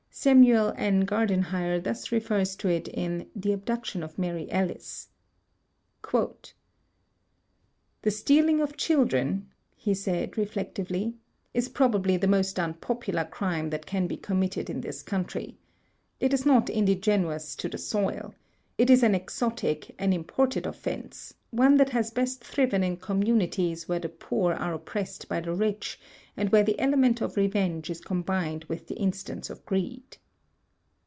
Samuel N. Gardenhire thus refers to it in "The Abduction of Mary Ellis": "The stealing of children, he said, reflectively, "is probably the most unpopular crime that can be committed in this country. It is not indigenous to the soil. It is an exotic — an imported offence, one that has best thriven in communities where the poor are oppressed by the rich and where the element of revenge is combined with the instinct of greed.